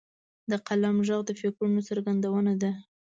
د قلم ږغ د فکرونو څرګندونه ده.